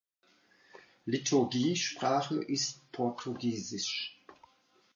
Liturgiesprache ist Portugiesisch.